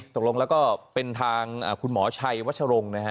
ตกลงแล้วก็เป็นทางคุณหมอชัยวัชรงค์นะฮะ